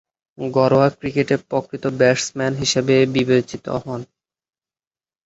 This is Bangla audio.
ঘরোয়া ক্রিকেটে প্রকৃত ব্যাটসম্যান হিসেবে বিবেচিত হতেন।